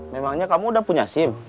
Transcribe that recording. memangnya kamu udah punya sim